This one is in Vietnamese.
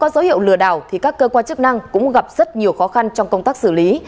vừa đảo thì các cơ quan chức năng cũng gặp rất nhiều khó khăn trong công tác xử lý